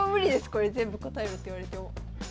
これ全部答えろって言われても。